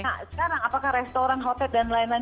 nah sekarang apakah restoran hotel dan lain lain